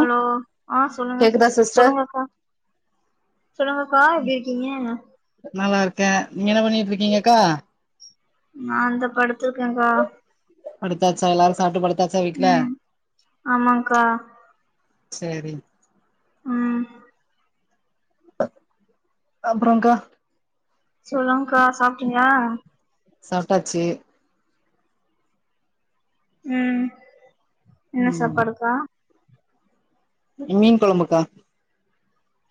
hello ஆ சொல்லுங்க கேக்குதா சிஸ் சிஸ்டர் சொல்லுங்கக்கா சொல்லுங்கக்கா எப்டி இருக்கீங்க நல்லாருக்கே நீங்க என்ன பண்ணிட்ருக்கீங்கக்கா நா இந்த படுத்திருக்கேக்கா படுத்தாச்சா எல்லாரு சாப்ட்டு படுத்தாச்சா வீட்ல ம் ஆமாக்கா செரி ம் அப்றோங்க்கா சொல்லுங்க்கா சாப்ட்டீங்களா சாப்ட்டாச்சு ம் என்ன ம் சாப்பாடுக்கா மீன் குழம்புக்கா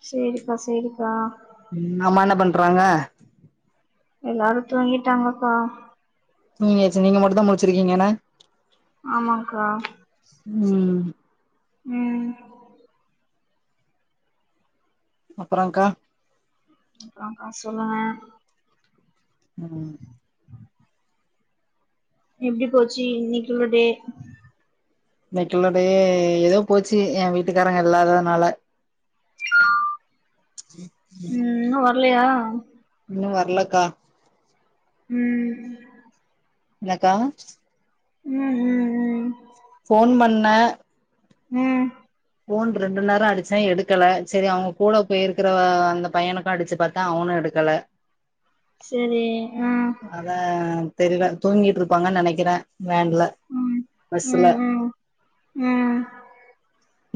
சேரிக்கா சேரிக்கா அம்மா என்ன பண்றாங்க எல்லாரு தூங்கிட்டாங்கக்கா தூங்கியாச்சு நீங்க மட்டுந்தா முழிச்சிருக்கீங்க என்ன ஆமாங்க்கா ம் ம் அப்றங்க்கா அப்றோ சொல்லுங்க ம் எப்டி போச்சு இன்னைக்குள்ள டே இன்னைக்கில்லோடே ஏதோ போச்சு எ வீட்டுக்காரங்க இல்லாததுனால இன்னு வர்லையா இன்னு வர்லக்கா ம் என்னக்கா ம் ம் ம் போன் பண்ண ம் போன் ரெண்டு நேரோ அடிச்சே எடுக்கலை சரி அவங்க கூட போயிருக்கிற அந்த பையனுக்கு அடிச்சு பார்த்த அவனு எடுக்கல சரி ஆ அதா தெரியல தூங்கிட்டு இருப்பாங்கன்னு நெனைக்கிறே வேன்ல ம் பஸ்ல ம் ம் ம்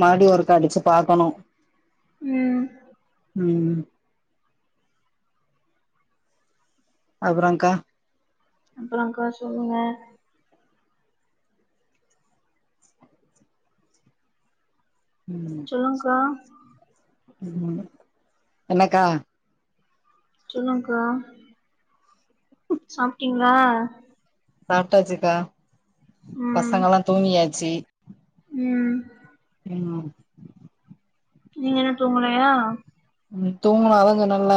மறுபடி ஒருக்கா அடிச்சு பா்கக்கணு ம் ம் அப்றங்க்கா அப்பறங்க்கா சொல்லுங்க ம் சொல்லுங்க்கா என்னக்கா சொல்லுங்க்கா சாப்பிட்டீங்களா சாப்பிட்டாச்சுக்கா ம் பசங்கல்லா தூங்கியாச்சு ம் ம் நீங்க என்ன தூங்கலையா தூங்கணு அதா சொன்னல்ல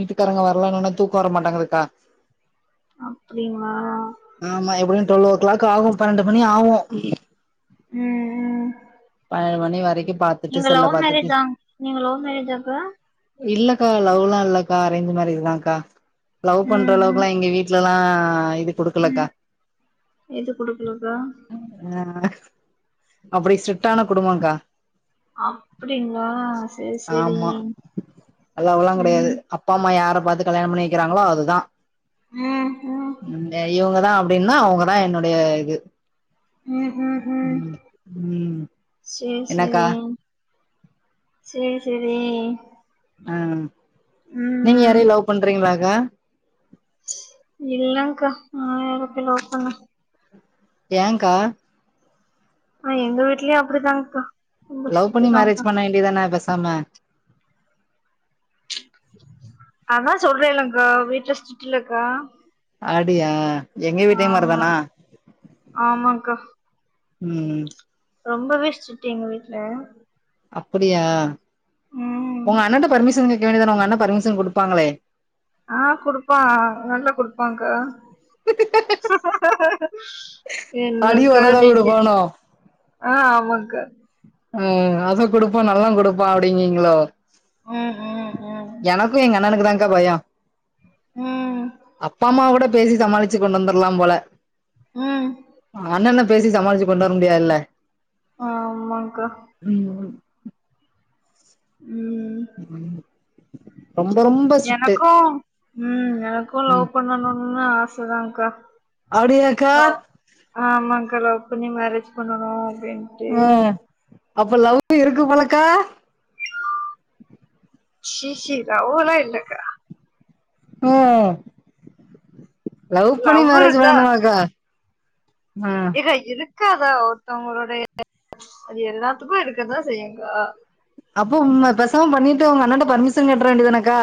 வீட்டுக்காரங்க வரலன்ன உன்னே தூக்கோ வர மாட்டங்குதுக்கா அப்டிங்ளா ஆமா எப்படியு டுவெல்வ் ஓ கிளாக் ஆகு பன்னெண்டு மணி ஆகு ம் ம் ஏழு மணி வரைக்கு பாத் நீங்க லவ் மேரேஜா நீங்க லவ் மேரேஜாக்கா இல்லக்கா லவ்லா இல்லக்கா அரேஞ்சு மேரேஜ் தாங்க்கா லவ் பண்ற ம் ம் அளவுக்குலா எங்க வீட்ல ல்லா இது குடுக்கலக்கா ம் எது குடுக்கலக்கா ஆ அப்பிடி ஸ்ட்ரிட்டான குடும்பங்க்கா அப்பிடிங்ளா சேரி சேரி ஆமா அல்லாவல்லா கெடையாது ம் அப்பா அம்மா யார பாத்து கல்யாணம் பண்ணி வெக்கறாங்களோ அதுதா ம் ம் இந்த இவுங்கதா அப்டின்னா அவுங்கதா என்னுடைய இது ம் ம் சேர் என்னக்கா சேரி சேர் சேரி ஆ நீங்க ம் யாரயு லவ் பண்றீங்களாக்கா இல்லங்க்கா நா யார போய் லவ் பண்ண ஏங்க்கா ஆ எங்க வீட்லயு அப்டிதாங்க லவ் பண்ணி மேரேஜ் பண்ண வேண்டியதான பேசாம அதா சொல்றேல்ல அக்கா வீட்ல ஸ்ட்ரிட் இல்லக்கா அப்டியா எங்க வீட்லயு ஆமா மாரதானா ஆமாங்க்கா ம் ரொம்பவே ஸ்ட்ரிட்டு எங்க வீட்ல அப்பிடியா ம் உங்க அண்ணன்ட்ட பர்மிஷன் கேக்க வேண்டியதான உங்க அண்ண பர்மிஷன் குடுப்பாங்களே ஆ குடுப்பா நல்லா குடுப்பாங்க்கா அடி என்னக்கா உததா நீங்க குடுப்பானோ ஆ ஆமாங்க்கா ஆ அதா குடுப்பா நல்லா குடுப்பா அப்டிங்கீங்களோ ம் ம் ம் எனக்கு எங்க அண்ணனுக்கு தாங்க்கா பயோ ம் அப்பா அம்மா கூட பேசி சமாளிச்சு கொண்டந்தர்லாம் போல ம் அ அண்ணன பேசி சமாளிச்சு கொண்டு வர முடியாதுல்ல ஆமாங்க்கா ம் ஒரு ம் ம் ரொம்ப ரொம்போ எனக்கு ம் எனக்கு ம் லவ் பண்ணனுன்ல்லா ஆ சதாங்க்கா அப்டியாக்கா ஓ ஆமாங்க்கா லவ் பண்ணி மேரேஜ் பண்ணனு அப்டின் ம் அப்ப லவ்வு இருக்கு போலக்கா ஷீ ஷீ லவ்வெல்லா இல்லக்கா அ லவ் பண்ணி மேரேஜ் பண்ணனுமாக்கா ம் ஏக்கா இருக்காதா ஒருத்தவ்ங்ளுடைய அது எல்லாத்துக்கு இருக்கதா செய்யுங்க்கா அப்ப உண்ம பேசாம பண்ணிட்டு உங்க அண்ணாட்ட பர்மிஷன் கேட்றவேண்டிதானக்கா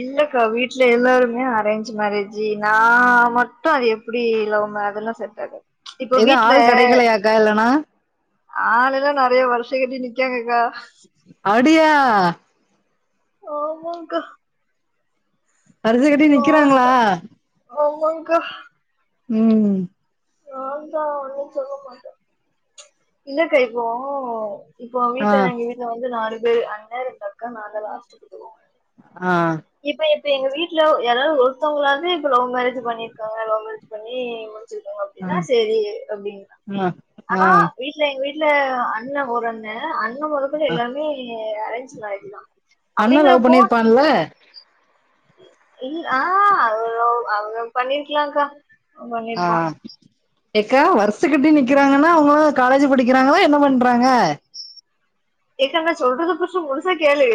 இல்லக்கா வீட்ல எல்லாருமே அரேஞ்சு மேரேஜு நா மட்டு அது எப்டி லவ் மே அதெல்லா செட்டாகாது எது ஆள் கெடைக்கலயாக்கா இல்லனா ஆலேல்லா நறைய வருஷ கட்டி நிக்காங்கக்கா அப்டியா ஆமாங்கா வருசக்கட்டி நிக்றாங்களா ஆமாங்கா ம் நான தா ஒன்ன சொல்ல மாட்டே இல்ல கைப்போ இப்போ ஆ வீட்ல எங்க வீட்ல வந்து நாலு பேரு அண்ண ரெண்டு அக்கா நாதா லாஸ்ட் [unintelligible] ஆ இப்ப இப்ப எங்க வீட்ல யாராவது ஒருத்தவங்களாவாது இப்ப லவ் மேரேஜ் பண்ணிருக்காங்க லவ் மேரேஜ் பண்ணி வச்சிருக்கோ ஆ அப்படின்னா சேரி அப்படின் ஆ ஆ ஆனா இல்ல எங்க வீட்ல அண்ண ஒரு அண்ண அண்ண மொதக்கோன்டு ஆ எல்லருமே அரேஞ்ச்ட்டு மேரேஜ்தா அண்ணா லவ் பண்ணியிருப்பான்ல இல் ஆ அவ்ளோ அவுங்க பண்ணிருக்கலாங்கா ஆ ஏக்கா வருஷ கட்டி நிக்கிறாங்கன்னா அவுங்க காலேஜ் படிக்கிறாங்களா என்ன பண்றாங்க ஏக்தா நா சொல்றத ஃபஸ்ட்டு முழுசா கேலு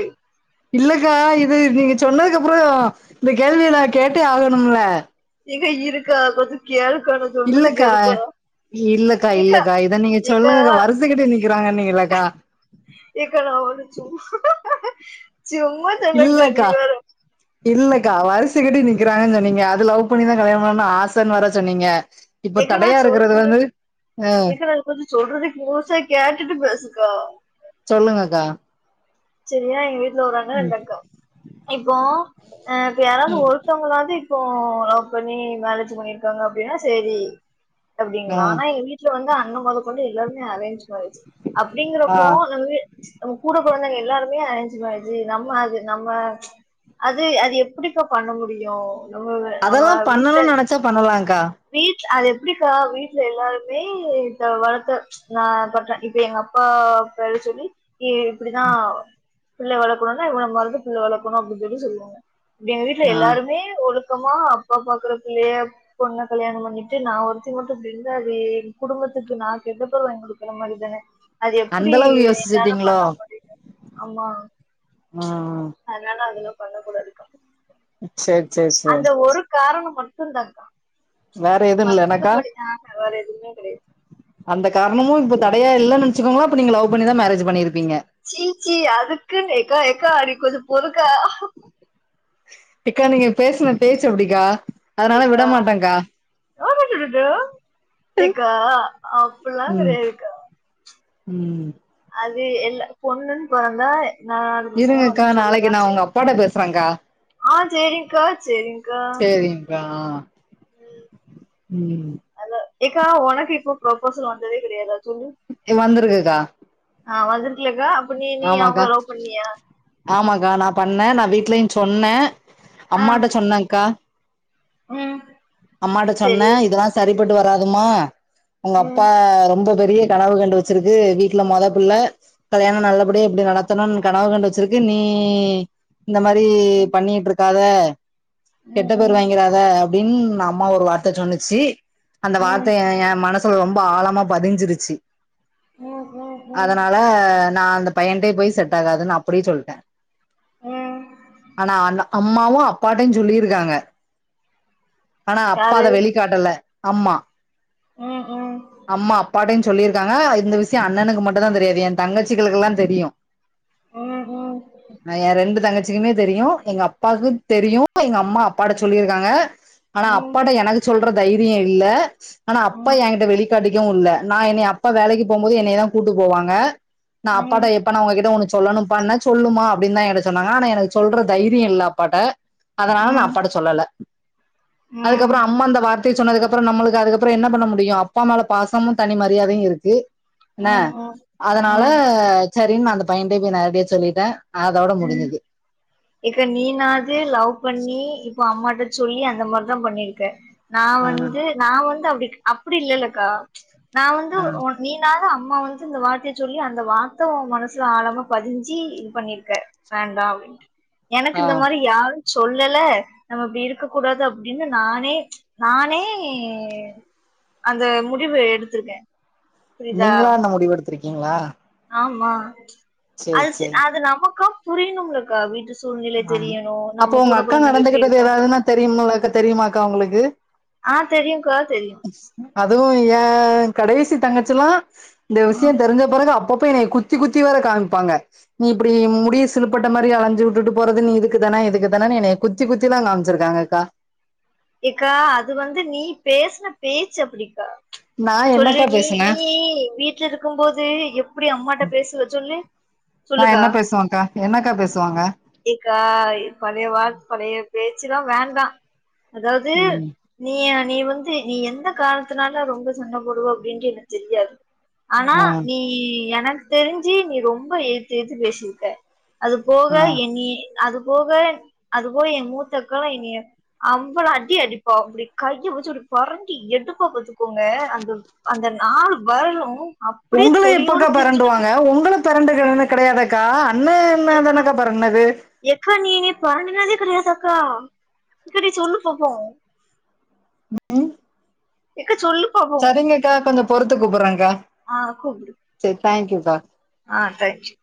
இல்லக்கா இது நீங்க சொன்னதுக்கு அப்புறோ இந்த கேள்வியே நா கேட்டே ஆகணும்ல எங்க இருக்கா கொஞ்சோ கேளுக்க நா சொல்றது இல்லக்கா கேளுக்கா இல்லக்கா ஏக்கா இல்லக்கா இத நீங்க ஏக்கா சொல்லுங்கக்கா வருச கட்டி நிக்கிறாங்க நீங்கல்லக்கா எக்கா நா ஒன்னு சும்மா சும்மா சொன்னங்கா நீ இல்லக்கா வேற இல்லக்கா வருசை கட்டி நிக்கிறாங்கன் சொன்னீங்க அது லவ் பண்ணிதா கல்யாணோ பண்னு ஆசன்னு வேற சொன்னீங்க இப்போ ஏக்கா தடையாருக்குறது வந்து ஆ ஏக்கா நான் கொஞ்சோ சொல்றது முழுசா கேட்டுட்டு பேசுக்கா சொல்லுங்கக்கா செரியா எங்க வீட்ல ஒரு அண்ண ரெண்டு அக்கா இப்போ அ இப்ப யாராவது ஒருத்தவங்களாது இப் போ லவ் பண்ணி மேரேஜ் பண்ணிருக்காங்க அப்படின்னா சேரி ஆ அப்படிங்களா ஆனா எங் வீட் ல வந்து அண்ண மொத கொண்டு எல்லாருமே அரேஞ்ச் மேரேஜ் அப்படிங்குறப்போ ஆ [unintelligible] நம்ம கூட பொறந்தவங்க எல்லாருமே அரேஞ்சு மேரேஜு நம்பளு அது நம்ம அது அது எப்படிக்கா பண்ண முடியு நம்ம நம்ம அதெல்லாம் வீட்ல பண்ணணும்னு நெனச்சா பண்ணலாங்க்கா வீட்ல அது எப்படிக்கா வீட்ல எல்லாருமே வளத்த நா பண்டே இப்ப எங்க அப்பா பேர் சொல்லி இப்படிதா புள்ள வளக்கணுன்னா இவன் மாரிதா புள்ள வளக்கணு அப்படின் சொல்லி சொல்வாங்க இப்டி எங்க வீட்ல ஆ எல்லாருமே ஒழுக்கமா அப்பா பாக்குற பிள்ளைய பொண்ண கல்யாணோ பண்ணிட்டு நா ஒருத்தி மட்டு இப்படி இருந்தா அது எ குடும்பத்துக்கு நா கெட்ட பேரு வாங்க் குடுக்கற மாரி நானே அது அந்த எப்பிடி அளவு என்னால யோசிச்சுட்டீங்களோ பண்ண முடியு ஆமா ம் அதனால அதல்லா பண்ண கூடாதுக்கா சேரி சேரி சேரி அந்த ஒரு காரணம் மட்டும்தாக்கா வேற எதுவும் இல்லனக்கா மத்தபடி ஆ வேற எதுமே கெடையாது அந்த காரணமு இப்ப தடையா இல்லேன்னு வெச்சக்கோங்களே அப்ப நீங்க லவ் பண்ணிதா மேரேஜ் பண்ணிருப்பீங்க சீ சீ அதுக்குன்னு எக்கா எக்கா நீ கொஞ்சோ பொறுக்கா எக்கா நீங்க பேசுன பேச்சு அப்படிக்கா அதனால விடமாட்டங்கா ஆமா [unintelligible] ஏக்கா அப்படில்லா ம் கடையாதுக்கா ம் அது எல்ல பொண்ணுன்னு பொறந்தா நாலு பசங்களு வந்து சொல்ல தா செய்வா போட பேசுறாங்க ஆ சேரி்ங்கா சேரி்ங்கா ஆ ம் ஏக்கா உனக்கு இப்ப ப்ரப்போசல் வந்ததே கிடையாதா சொல்லு வந்திருக்குக்கா ஆ வந்துருக்கிலக்கா அப்ப நீ நீ ஆமாக்கா அவங்கள லவ் பண்ணியா ஆமாக்கா நான் பண்ணேன் நான் வீட்லயும் சொன்னேன் ஆ அம்மாட்ட சொன்னேன்க்கா ம் அம்மாட்ட சரி சொன்னேன் இதெல்லாம் சரிப்பட்டு வராதுமா உங்க ம் அப்பா ரொம்ப பெரிய கனவு கண்டு வெச்சிருக்கு வீட்ல மொத பிள்ள கல்யாணம் நல்ல இப்டி எப்டி நடத்தணும்னு கனவு கண்டு வெச்சிருக்கு நீ இந்த மாரி பண்ணிட்டு இருக்காத கெட்ட ம் பேர் ம் வாங்கிறாத அப்டின்னு அம்மா ஒரு வார்த்த சொன்னுச்சு அந்த ம் வார்த்தை என் மனசுல ரொம்ப ஆழமா பதிஞ்சிருச்சு ம் ம் ம் அதனால நான் அந்த பையன்டேயே போய் செட் ஆகாதுன்னு அப்டியே சொல்ட்டேன் ம் ஆனா அ அம்மாவும் அப்பாட்டையும் சொல்லியிருக்காங்க ஆனா அப்பா யாரு அத வெளிக்காட்டல அம்மா ம் ம் அம்மா அப்பாட்டையும் சொல்லியிருக்காங்க இந்த விஷயம் அண்ணனுக்கு மட்டும் தான் தெரியாது என் தங்கச்சிகளுக்குெல்லாம் தெரியும் ம் ம் என் ரெண்டு தங்கச்சி தங்கச்சிக்குமே தெரியும் எங்க அப்பாக்கு தெரியும் எங்க அம்மா அப்பாட சொல்லியிருக்காங்க ஆனா ம் அப்பாட்ட எனக்கு சொல்ற தைரியம் இல்ல ஆனா அப்பா ம் என்கிட்ட வெளி வெளிக்காட்டிக்கவும் இல்ல நான் என்னைய அப்பா வேலைக்கு போவும் போது என்னைய தான் கூட்டு போவாங்க நான் அப்பாட்ட ம் எப்பா நான் உங்ககிட்ட ஒன்னு சொல்லணும்ப்பானேன் சொல்லுமா அப்டின்னு தான் என சொன்னாங்க ஆனா எனக்கு சொல்ற தைரியம் இல்லை அப்பாட்ட அதனால நான் ம் அப்பாட்ட சொல்லல ம் அதுக்கப்பறம் அம்மா அந்த வார்த்தைய சொன்னதுக்கு அப்பறம் நம்மளுக்கு அதுக்கப்பறம் என்ன பண்ண முடியும் அப்பா மேல பாசமும் தனி மரியாதையும் இருக்கு என்ன ம் ம் அதனால ம் செரின்னு அந்த பையனிட்டேயே போய் நேரடியே சொல்லிட்டேன் அதோட ம் முடிஞ்சுது இப்ப நீனாவது லவ் பண்ணி இப்ப அம்மாட்ட சொல்லி அந்த மாரிதான் பண்ணிருக்க நான் ஆ வந்து நான் வந்து அப்டி அப்டி இல்லலேலக்கா நான் வந்து ஆ நீனாவது அம்மா வந்து இந்த வார்த்தைய சொல்லி அந்த வார்த்தை உன் மனசுல ஆழமா பதிஞ்சி இது பண்ணியிருக்க வேண்டாம் அப்டின்ட்டு எனக்கு ஆ இந்த மாரி யாரும் சொல்லலே நம்ம இப்டி இருக்க கூடாது அப்டின்னு நானே நானே அந்த முடிவு எடுத்திருக்கேன் நீங்களா அந்த முடிவு எடுத்திருக்கீங்களா ஆமா சேரி அது சேரி அது நமக்கும் புரியணும் அக்கா வீட்டு சூழ்நிலை ஆமா தெரியணும் அப்போ நம்ம உங்க கூட அக்கா பொறந்தவங்க எப்படி நடந்துகிட்டது இருக்கணும் ஏதாவதுன்னா தெரியும்லக்கா தெரியுமாக்கா உங்களுக்கு அ தெரியும்க்கா தெரியும் அதுவும் என் கடைசி தங்கச்சல்லாம் இந்த ஆ விஷயம் தெரிஞ்ச பிறகு அப்பப்போ என் குத்தி குத்தி குத்தி வேற காமிப்பாங்க நீ இப்டி முடிய சிலுப்பட்ட மாரி அலைஞ்சு விட்டுட்டு போறதுன்ன இதுக்குதானே இதுக்குதான என்யே குத்தி குத்தில காமிச்சிருக்காங்க அக்கா ஏக்கா அது வந்து நீ பேசின பேச்சு அப்டிக்கா நான் சொல்லு என்னக்கா நீ பேசுனே நீ வீட்ல இருக்கும்போது எப்டி அம்மாட்ட பேசுவ சொல்லு நான் சொல்லுக்கா என்ன பேசுவேகா என்னக்கா பேசுவாங்க எக்கா பழைய வார பழைய பேச்சுல்லாம் வேண்டாம் அதாவது ம் நீ நீ வந்து நீ எந்த காரணத்தினால ரொம்ப சண்டை போடுவ அப்டின்ட்டு எனக்கு தெரியாது ஆனா ம் நீ எனக்கு தெரிஞ்சு நீ ரொம்ப எயித்து எயித்து பேசிருக்க அது போக ஆ என்னய அது போக அது போக எய மூத்தக்கால்லா என்னய அவ்வள அடி அடிப்பா அப்டி கைய வச்சு ஒருப்புரண்டி எடுப்பா பத்துக்கோங்க அந்த அந்த நாலு விரலு உங்கள எப்பக்கா பரண்டுவாங்க உங்களுக்கு பரெண்டு கிரன்டு கிடையாதுக்கா அண்ணன் இதுனா தானக்கா பரண்டுனது எக்கா நீங்க பரண்டுனதே கிடையாதக்கா சேரி நீ சொல்லு பாப்போ ம்ம்ம் எக்கா சொல்லு பாப்போ சரிங்கக்கா கொஞ் பொறுத்து கூப்டடுறங்க்கா ஆ கூப்புடு சேரி தேங்க்யூக்கா அ தேங்கியூ